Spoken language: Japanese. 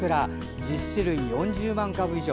１０種類４０万株以上。